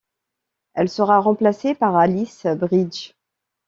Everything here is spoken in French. Elle sera remplacée par Alice Bridges.